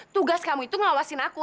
tugas kamu itu ngawasin aku